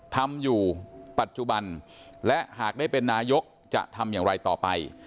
ทำอยู่ปัจจุบันและหากได้เป็นนายกจะทำอย่างไรต่อไป